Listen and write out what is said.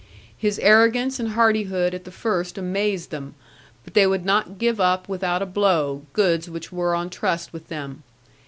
His arrogance and hardihood at the first amazed them, but they would not give up without a blow goods which were on trust with them.